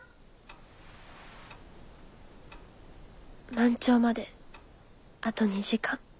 ・満潮まであと２時間。